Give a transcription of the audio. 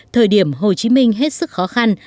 thời điểm hồ chí minh hết sức khó khăn